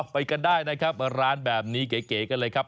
ไปกันได้นะครับร้านแบบนี้เก๋กันเลยครับ